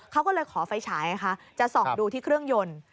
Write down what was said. เขาก็เลยขอไฟฉายจะส่องดูที่เครื่องยนต์